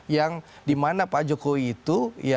yang dimana pak jokowi itu